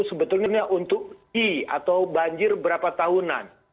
sebetulnya untuk i atau banjir berapa tahunan